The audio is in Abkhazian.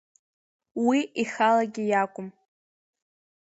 Уи ихалагьы иакәым.